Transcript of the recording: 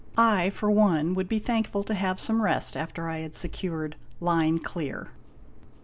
I, for one, would be thankful to have some rest after I had 29 secured ' line clear '.